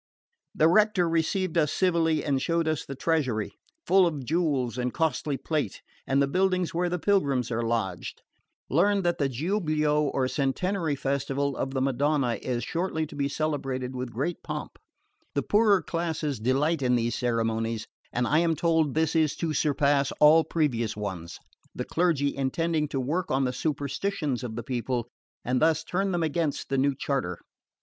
The Rector received us civilly and showed us the treasury, full of jewels and costly plate, and the buildings where the pilgrims are lodged. Learned that the Giubileo or centenary festival of the Madonna is shortly to be celebrated with great pomp. The poorer classes delight in these ceremonies, and I am told this is to surpass all previous ones, the clergy intending to work on the superstitions of the people and thus turn them against the new charter.